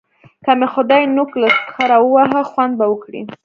که مې خدای نوک له سخره وواهه؛ خوند به وکړي.